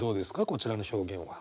こちらの表現は。